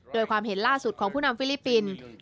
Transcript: โดยความเห็นล่าสุดของผู้นำฟิลิปปินส์